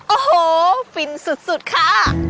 โอ้โหฟินสุดค่ะ